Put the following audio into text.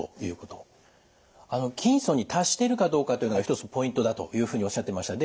筋層に達しているかどうかというのが一つのポイントだというふうにおっしゃってました。